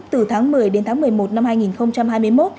từ tháng một mươi đến tháng một mươi một năm hai nghìn hai mươi một